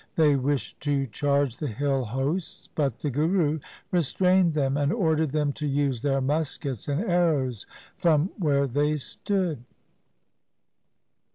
They wished to charge the hill hosts, but the Guru restrained them, and ordered them to use their muskets and arrows from where they stood.